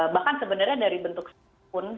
bahkan sebenarnya dari bentuk pun